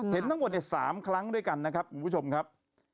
เห็นทั้งหมด๓ครั้งด้วยกันนะครับคุณผู้ชมครับ